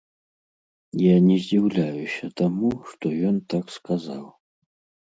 Я не здзіўляюся таму, што ён так сказаў.